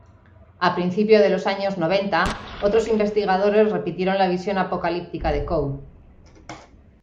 A principio de los años noventa, otros investigadores repitieron la visión apocalíptica de Coe.